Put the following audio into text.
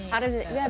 harus bisa nyanyi